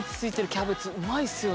キャベツうまいですよね。